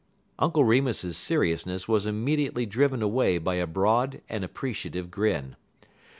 Uncle Remus's seriousness was immediately driven away by a broad and appreciative grin.